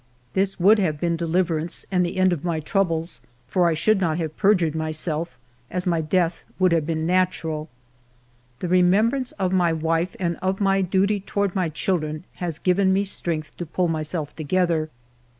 This would have been deliverance and the ALFRED DREYFUS 107 end of my troubles, for I should not have per jured myself, as my death would have been natural. The remembrance of my wife and of my duty toward my children has given me strength to pull myself together.